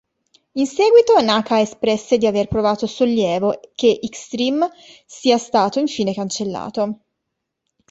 In seguito Naka espresse di aver provato "sollievo" che "X-treme" sia stato infine cancellato.